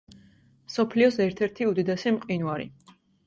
მსოფლიოს ერთ-ერთი უდიდესი მყინვარი.